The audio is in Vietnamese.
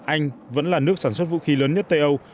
anh vẫn là nước sản xuất vũ khí lớn nhất tây âu